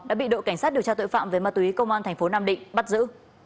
đã bị đội cảnh sát điều tra tội phạm về ma túy công an thành phố nam định bắt giữ